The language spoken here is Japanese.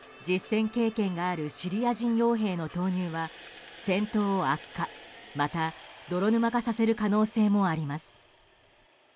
実戦経験があるシリア人傭兵の投入は戦闘を悪化、また泥沼化させる可能性もあります。